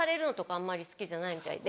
あんまり好きじゃないみたいで。